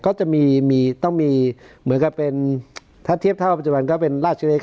ก็จะมีต้องมีเหมือนกับเป็นถ้าเทียบเท่าปัจจุบันก็เป็นราชเล็ก